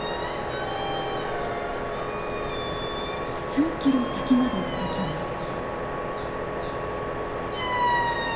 数キロ先まで届きます。